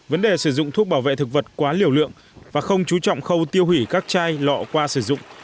vấn đề sử dụng thuốc bảo vệ thực vật quá liều lượng và không chú trọng khâu tiêu hủy các chai lọ qua sử dụng